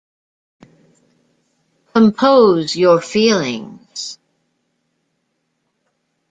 Compose your feelings.